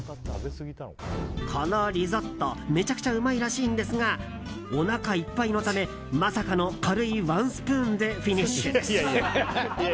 このリゾット、めちゃくちゃうまいらしいんですがおなかいっぱいのためまさかの軽いワンスプーンでフィニッシュです。